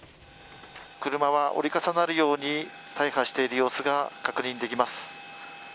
車は折り重なるように大破している様子が確認できます。